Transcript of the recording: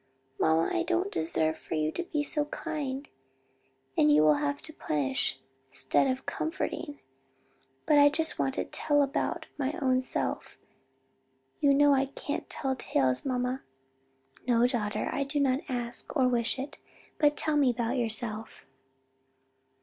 "Mamma I don't deserve for you to be so kind, and you'll have to punish, 'stead of comforting. But I just want to tell about my own self; you know I can't tell tales, mamma." "No, daughter, I do not ask, or wish it; but tell me about yourself."